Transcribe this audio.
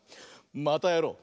またやろう！